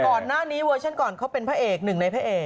ก่อนหน้านี้เวอร์ชั่นก่อนเขาเป็นพระเอกหนึ่งในพระเอก